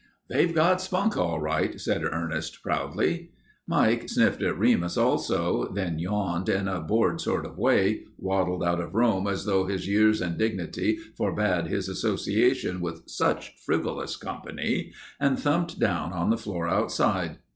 "They've got spunk, all right," said Ernest, proudly. [Illustration: English Bulldog] Mike sniffed at Remus also, then yawned in a bored sort of way, waddled out of Rome as though his years and dignity forbade his association with such frivolous company, and thumped down on the floor outside.